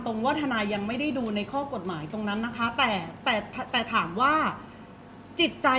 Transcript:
เพราะว่าสิ่งเหล่านี้มันเป็นสิ่งที่ไม่มีพยาน